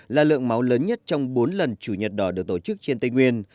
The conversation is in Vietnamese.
là lượng máu lớn nhất trong bốn lần chủ nhật đỏ được tổ chức trên tây nguyên